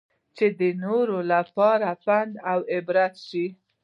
چې د نورو لپاره پند اوعبرت شي.